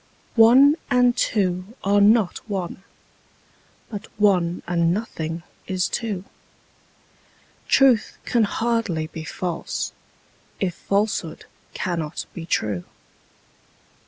One and two are not one: but one and nothing is two: Truth can hardly be false, if falsehood cannot be true.